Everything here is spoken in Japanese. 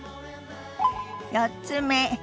４つ目。